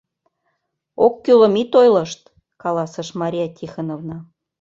— Оккӱлым ит ойлышт, — каласыш Мария Тихоновна.